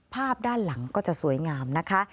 ภาพด้านหลังก็จะสวยงามนะคะ